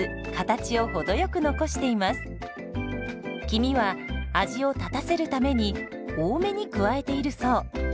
黄身は味を立たせるために多めに加えているそう。